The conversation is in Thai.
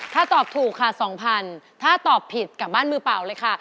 ถ้าตอบถูกค่ะ๒๐๐ถ้าตอบผิดกลับบ้านมือเปล่าเลยค่ะ